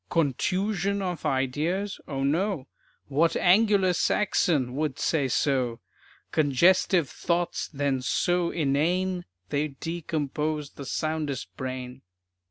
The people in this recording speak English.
"Contusion of ideas." O no; What "Angular Saxon" would say so? "Congestive thoughts then so inane They'd decompose the soundest brain."